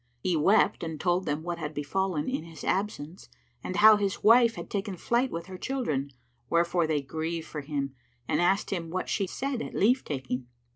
He wept and told them what had befallen in his absence and how his wife had taken flight with her children, wherefore they grieved for him and asked him what she said at leave taking.